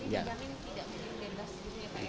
jadi kita tidak menjelaskan